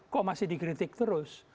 kok masih dikritik terus